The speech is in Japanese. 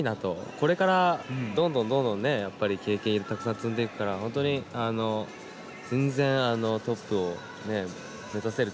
これからどんどんどんどんやっぱり経験たくさん積んでいくから本当に全然トップを目指せる。